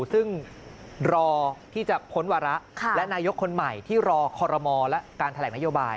ซึ่งรอที่จะพ้นวาระและนายกคนใหม่ที่รอคอรมอและการแถลงนโยบาย